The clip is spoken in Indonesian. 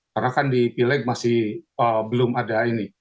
karena kan di pileng masih belum ada ini